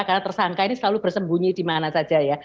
karena tersangka ini selalu bersembunyi di mana saja ya